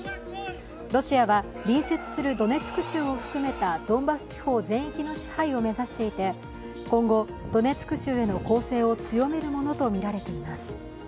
ロシアは隣接するドネツク州を含めたドンバス地方全域の支配を目指していて今後、ドネツク州への攻勢を強めるものとみられています。